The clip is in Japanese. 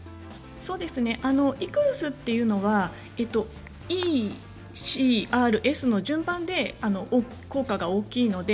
ＥＣＲＳというのはＥ・Ｃ・Ｒ・Ｓの順番で効果が大きいんです。